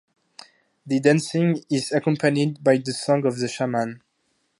The dancing is accompanied by the song of the shaman.